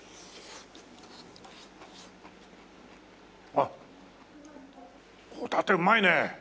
あっホタテうまいね。